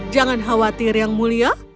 jangan khawatir yang mulia